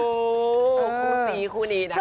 คู่นี้คู่นี้